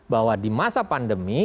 bahwa di masa pandemi